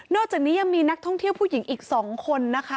อกจากนี้ยังมีนักท่องเที่ยวผู้หญิงอีก๒คนนะคะ